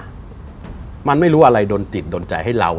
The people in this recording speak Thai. มันไม่รู้อะไรโดนจิตโดนใจให้เรา